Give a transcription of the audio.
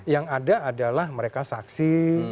yang ada adalah mereka saksi